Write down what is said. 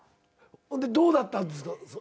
ほんでどうだったんですか？